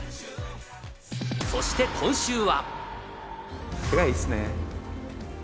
そして今週は。